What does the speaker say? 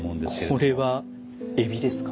これは海老ですか？